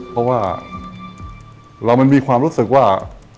เพราะว่าเรามันมีความรู้สึกว่า